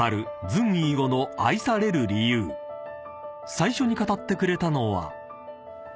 ［最初に語ってくれたのは］